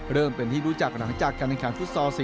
เริ่มเป็นที่รู้จักหลังจากการรายการฟุษศ